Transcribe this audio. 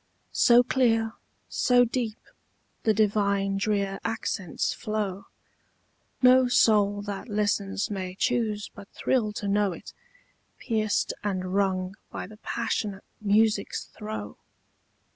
So clear, so deep, the divine drear accents flow, No soul that listens may choose but thrill to know it, Pierced and wrung by the passionate music's throe.